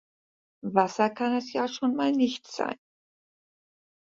Wasser kann es ja schon mal nicht sein.